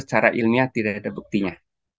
secara ilmiah tidak ada buktinya